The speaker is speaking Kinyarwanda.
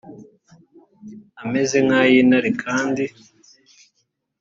ameze nk ay intare kandi